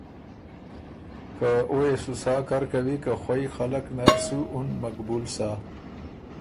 که او يې سُو سا کر کوی که خوئ خلق نر سُو اُن مقبول سَۀ۔